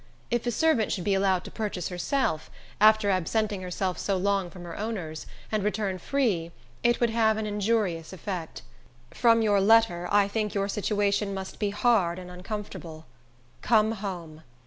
If a servant should be allowed to purchase herself, after absenting herself so long from her owners, and return free, it would have an injurious effect. From your letter, I think your situation must be hard and uncomfortable. Come home.